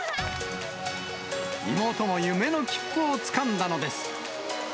妹も夢の切符をつかんだのです。